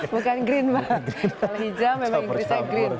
bukan green pak kalau hijau memang inggrisnya green pak